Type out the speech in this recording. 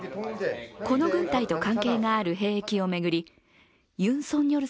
この軍隊と関係がある兵役を巡りユン・ソンニョル